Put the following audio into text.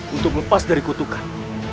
untuk lepas dari kutukan